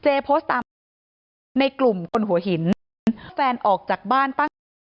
เจ๊โพสต์ตามในกลุ่มคนหัวหินแฟนออกจากบ้านปั้งเกิด